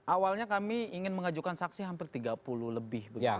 awalnya kami ingin mengajukan saksi hampir tiga puluh lebih